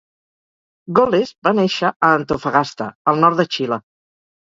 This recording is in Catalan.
Goles va néixer a Antofagasta, al nord de Xile.